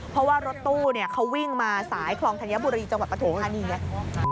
เพราะว่ารถตู้เนี่ยเขาวิ่งมาสายคลธัญบุรีจังหวัดประถุงธัณฑ์นี้ไง